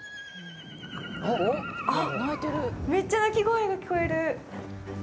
あっ、めっちゃ鳴き声が聞こえる。